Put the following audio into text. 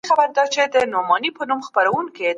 افغان مشرانو د انګلیس د متناقضو تړونونو یادونه وکړه.